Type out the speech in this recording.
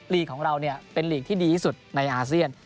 ลีกของเราเป็นลีกที่ดีที่สุดในอาเซียน